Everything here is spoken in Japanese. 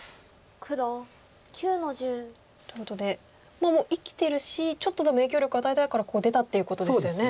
黒９の十。ということで生きてるしちょっとでも影響力与えたいからここ出たっていうことですよね。